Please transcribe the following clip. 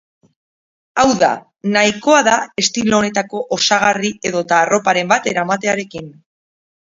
Hau da, nahikoa da estilo honetako osagarri edota arroparen bat eramatearekin.